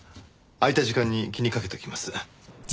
空いた時間に気にかけておきます。